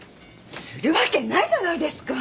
するわけないじゃないですか！